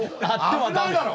危ないだろ！